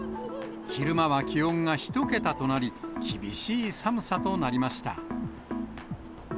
昼間は気温が１桁となり、厳しい寒さとなりました。